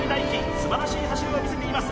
素晴らしい走りを見せています